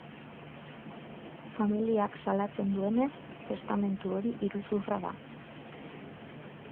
Familiak salatzen duenez, testamentu hori iruzurra da.